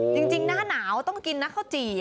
จริงหน้าหนาวต้องกินนะข้าวจี่